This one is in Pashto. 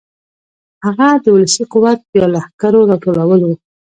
هغه د ولسي قوت یا لښکرو راټولول و.